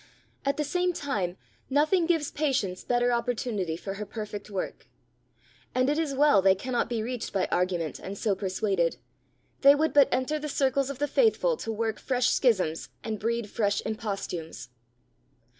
At the same time nothing gives patience better opportunity for her perfect work. And it is well they cannot be reached by argument and so persuaded; they would but enter the circles of the faithful to work fresh schisms and breed fresh imposthumes.